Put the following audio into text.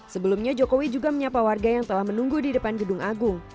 sebelumnya jokowi juga menyapa warga yang telah menunggu di depan gedung agung